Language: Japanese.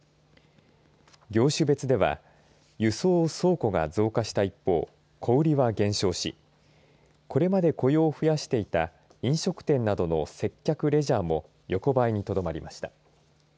業種別では輸送・倉庫が増加した一方小売りは減少しこれまで雇用を増やしていた飲食店などの接客・レジャーも横ばいにとどまりました。